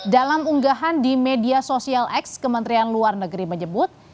dalam unggahan di media sosial x kementerian luar negeri menyebut